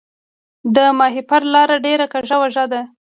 د ماهیپر لاره ډیره کږه وږه ده